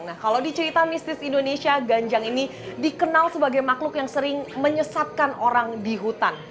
nah kalau di cerita mistis indonesia ganjang ini dikenal sebagai makhluk yang sering menyesatkan orang di hutan